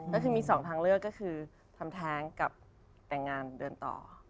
ก็คือมีสองทางเลือกก็คือทำแท้งกับแต่งงานเดินต่อ